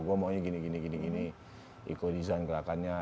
gue maunya gini gini iko desain gerakannya